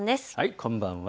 こんばんは。